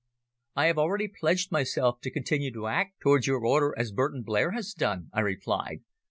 "I have already pledged myself to continue to act towards your Order as Burton Blair has done," I replied.